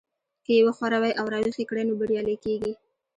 که يې وښوروئ او را ويښ يې کړئ نو بريالي کېږئ.